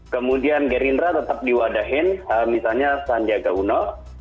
kemudian gerindra tetap diwadahin misalnya sanja gauno